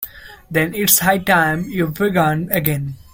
Then it's high time you began again.